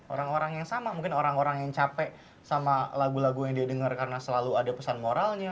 orang orang yang sama mungkin orang orang yang capek sama lagu lagu yang dia dengar karena selalu ada pesan moralnya